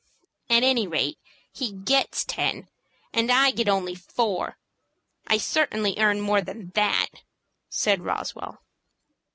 "At any rate he gets ten, and I get only four. I certainly earn more than that," said Roswell.